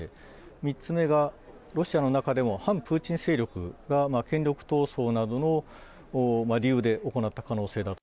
３つ目が、ロシアの中でも反プーチン勢力が権力闘争などの理由で行った可能性だと。